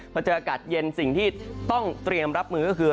พอเจออากาศเย็นสิ่งที่ต้องเตรียมรับมือก็คือ